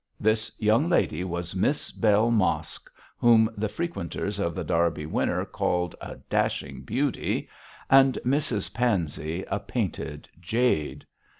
This young lady was Miss Bell Mosk, whom the frequenters of The Derby Winner called 'a dashing beauty,' and Mrs Pansey 'a painted jade.'